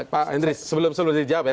pak hendri sebelum sebelumnya dijawab ya